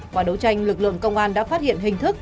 qua đấu tranh lực lượng công an đã phát hiện hình thức